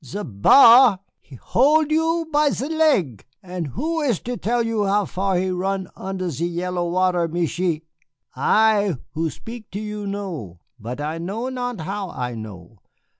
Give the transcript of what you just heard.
"Ze bar he hol' you by ze leg. An' who is to tell you how far he run under ze yellow water, Michié? I, who speak to you, know. But I know not how I know.